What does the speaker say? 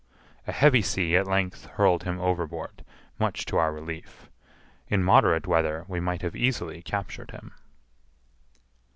A heavy sea at length hurled him overboard, much to our relief. In moderate weather we might have easily captured him.